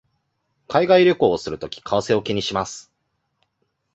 海外旅行をするとき為替を気にします